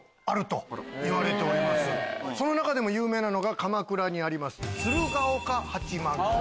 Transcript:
その中でも有名なのが鎌倉にあります。